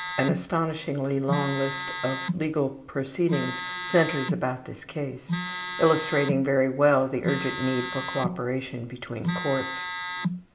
An astonishingly long list of legal proceedings centers about this case, illustrating very well the urgent need for cooperation between courts.